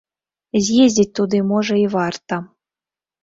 З'ездзіць туды, можа, і варта.